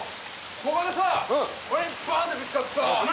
ここでさ俺にバーンってぶつかってさ。